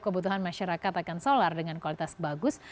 kebutuhan masyarakat akan solar dengan kualitas bagus